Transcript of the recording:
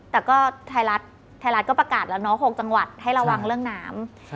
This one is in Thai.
แต่ก็ไทยรัฐก็ประกาศแล้ว๖จังหวัดให้ระวังเรื่องน้ำ